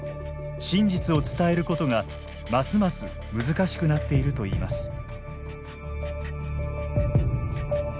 真実を伝えることがますます難しくなっていると言います。